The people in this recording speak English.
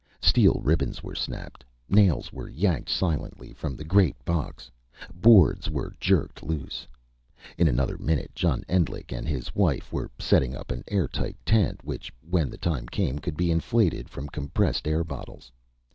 Steel ribbons were snapped, nails were yanked silently from the great box, boards were jerked loose. In another minute John Endlich and his wife were setting up an airtight tent, which, when the time came, could be inflated from compressed air bottles.